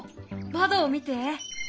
窓を見て。